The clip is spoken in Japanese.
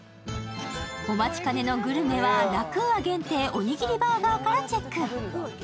お待ちかねのグルメはＬａＱｕａ限定おにぎりバーガーからチェック。